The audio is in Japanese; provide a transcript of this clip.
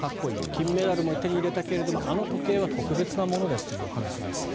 金メダルも手に入れたけどあの時計は特別なものですというお話です。